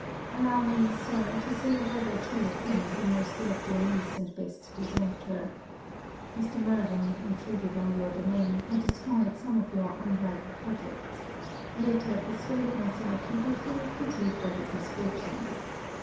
Allow me, Sir, to say a word or two of him who most loved your niece and best deserved her. Mr. Murden intruded on your domain, and destroyed some of your unripe projects; yet I persuade myself you will feel a pity for his misfortunes.